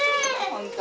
本当？